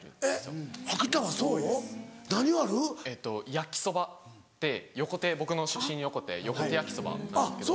焼きそばで僕の出身横手横手やきそばなんですけど。